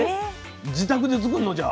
自宅で作るのじゃあ？